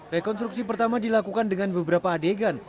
rekonstruksi pertama dilakukan dengan beberapa adegan